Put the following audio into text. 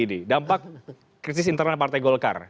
ini dampak krisis internal partai golkar